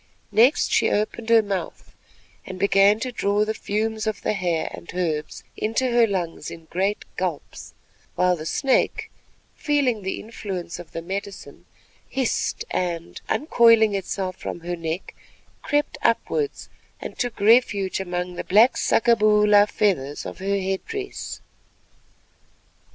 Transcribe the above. Next she opened her mouth, and began to draw the fumes of the hair and herbs into her lungs in great gulps; while the snake, feeling the influence of the medicine, hissed and, uncoiling itself from about her neck, crept upwards and took refuge among the black saccaboola feathers of her head dress.